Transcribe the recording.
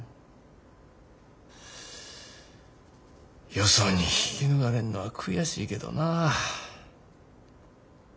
よそに引き抜かれんのは悔しいけどな。